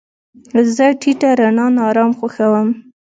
زه د ټیټه رڼا آرام خوښوم.